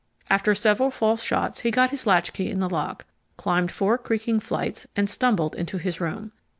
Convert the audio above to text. After several false shots he got his latch key in the lock, climbed four creaking flights, and stumbled into his room.